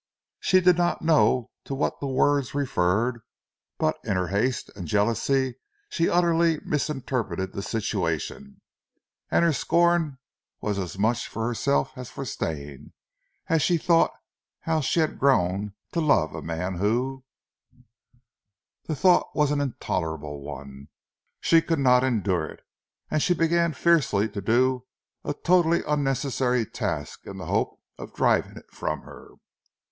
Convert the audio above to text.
She did not know to what the words referred, but, in her haste and jealousy she utterly misinterpreted the situation, and her scorn was as much for herself as for Stane as she thought how she had grown to love a man who The thought was an intolerable one. She could not endure it, and she began fiercely to do a totally unnecessary task in the hope of driving it from her.